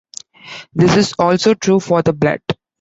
This is also true for the blood.